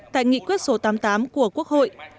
tại nghị quyết số tám mươi tám của quốc hội